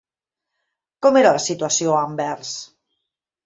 Com era la situació a Anvers?